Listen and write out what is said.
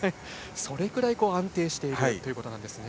それくらい安定しているということなんですね。